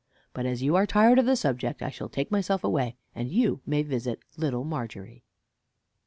But as you are tired of the subject, I shall take myself away, and you may visit Little Margery.